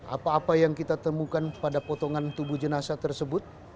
apa apa yang kita temukan pada potongan tubuh jenazah tersebut